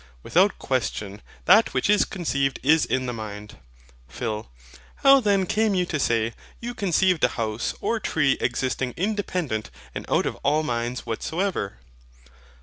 Without question, that which is conceived is in the mind. PHIL. How then came you to say, you conceived a house or tree existing independent and out of all minds whatsoever?